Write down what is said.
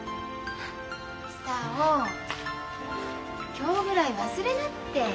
今日ぐらい忘れなって。